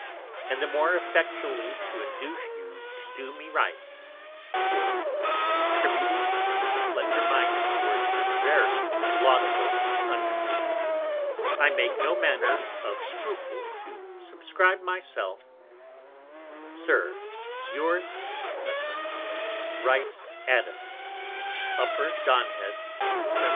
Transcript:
And the more effectually to induce you to do me Right, (for contributing a slender Mite towards your very laudable Undertaking) I make no manner of Scruple to subscribe my self, Upper Donhead, Sir, Yours, &c. _Decemb.